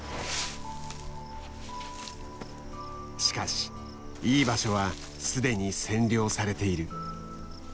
しかしいい場所はすでに占領されている。